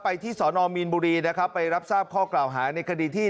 ที่สอนอมีนบุรีนะครับไปรับทราบข้อกล่าวหาในคดีที่